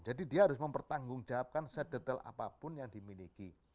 jadi dia harus mempertanggungjawabkan sedetail apapun yang dimiliki